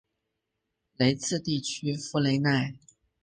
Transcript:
雷茨地区弗雷奈。